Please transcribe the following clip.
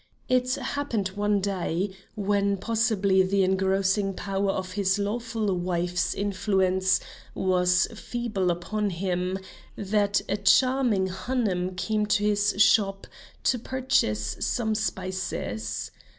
It happened one day, when possibly the engrossing power of his lawful wife's influence was feeble upon him, that a charming Hanoum came to his shop to purchase some spices.